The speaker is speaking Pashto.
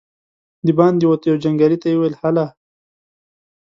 د باندې ووت، يوه جنګيالي ته يې وويل: هله!